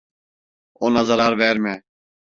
Ona zarar verme!